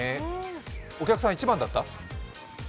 お客さん一番だった？